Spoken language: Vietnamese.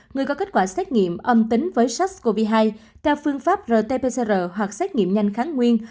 người có kết quả xét nghiệm âm tính với sars cov hai theo phương pháp rt pcr hoặc xét nghiệm nhanh kháng nguyên